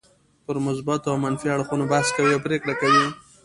پر مثبتو او منفي اړخونو بحث کوي او پرېکړه کوي.